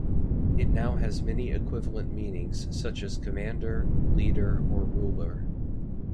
It now has many equivalent meanings such as commander, leader, or ruler.